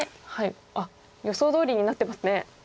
あっ予想どおりになってますね。